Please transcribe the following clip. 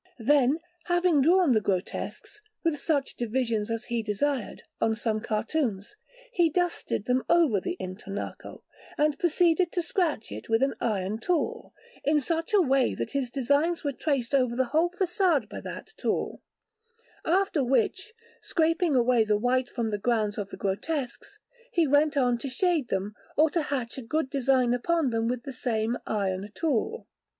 Then, having drawn the grotesques, with such divisions as he desired, on some cartoons, he dusted them over the intonaco, and proceeded to scratch it with an iron tool, in such a way that his designs were traced over the whole façade by that tool; after which, scraping away the white from the grounds of the grotesques, he went on to shade them or to hatch a good design upon them with the same iron tool.